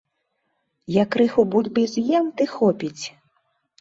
Я крыху бульбы з'ем ды хопіць.